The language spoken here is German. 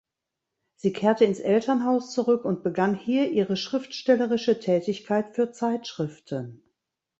Sie kehrte ins Elternhaus zurück und begann hier ihre schriftstellerische Tätigkeit für Zeitschriften.